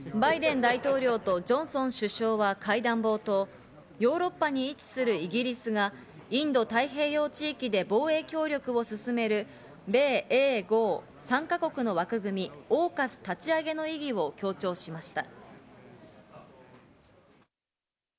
バイデン大統領とジョンソン首相は会談冒頭、ヨーロッパに位置するイギリスがインド太平洋地域で防衛協力を進める米英豪３か国の枠組み、オーカス立ち上げの意義を強調しました。